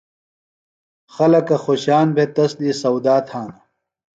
خلکہ خوۡشان بھےۡ تس دی سودا تھانہ۔